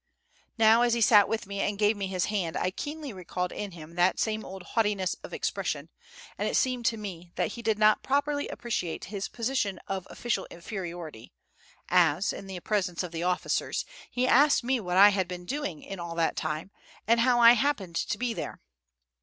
Now, as he sat with me, and gave me his hand, I keenly recalled in him that same old haughtiness of expression; and it seemed to me that he did not properly appreciate his position of official inferiority, as, in the presence of the officers, he asked me what I had been doing in all that time, and how I happened to be there.